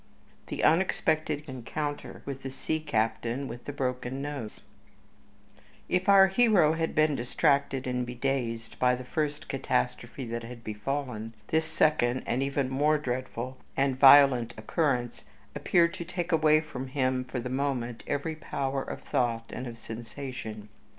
V The Unexpected Encounter with the Sea Captain with the Broken Nose If our hero had been distracted and bedazed by the first catastrophe that had befallen, this second and even more dreadful and violent occurrence appeared to take away from him, for the moment, every power of thought and of sensation.